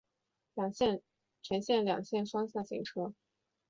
全线两线双向行车。